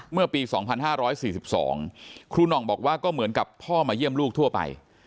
เมื่อปีสองพันห้าร้อยสี่สิบสองครูนองบอกว่าก็เหมือนกับพ่อมาเยี่ยมลูกทั่วไป